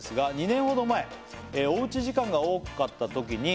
「２年ほど前おうち時間が多かったときに」